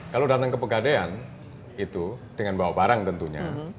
kalau datang ke pegadean itu dengan bawa barang tentunya